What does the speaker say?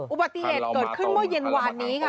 อุปกรณ์ที่๑เกิดขึ้นเมื่อเย็นวานนี้ค่ะ